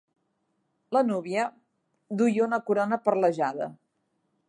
La núvia duia una corona perlejada.